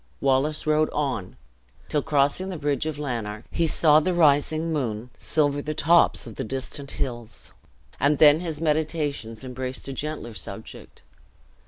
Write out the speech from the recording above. Wallace rode on till, crossing the bridge of Lanark, he saw the rising moon silver the tops of the distant hills; and then his meditations embraced a gentler subject.